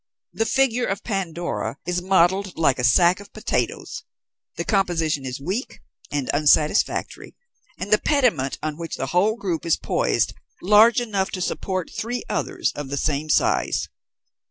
The figure of Pandora is modelled like a sack of potatoes; the composition is weak and unsatisfactory; and the pediment on which the whole group is poised large enough to support three others of the same size."